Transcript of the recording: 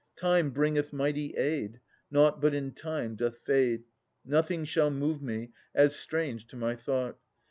Time bringeth mighty aid — nought but in time doth fade : Nothing shall move me as strange to my thought.